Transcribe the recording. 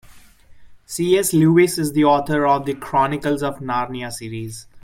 C.S. Lewis is the author of The Chronicles of Narnia series.